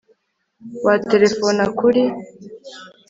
waterefona kuri